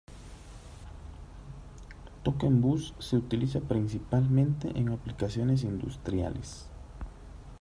Token Bus se utiliza principalmente en aplicaciones industriales.